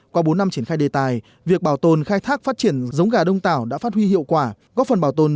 qua bốn năm triển khai đề tài việc bảo tồn khai thác phát triển giống gà đông tảo đã phát huy hiệu quả góp phần bảo tồn